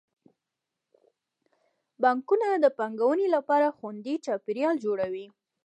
بانکونه د پانګونې لپاره خوندي چاپیریال جوړوي.